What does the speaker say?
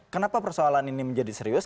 kenapa persoalan ini menjadi serius